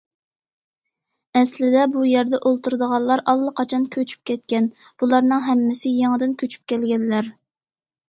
ئەسلىدە بۇ يەردە ئولتۇرىدىغانلار ئاللىقاچان كۆچۈپ كەتكەن، بۇلارنىڭ ھەممىسى يېڭىدىن كۆچۈپ كەلگەنلەر.